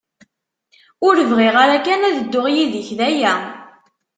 Ur bɣiɣ ara kan ad dduɣ yid-k, d aya.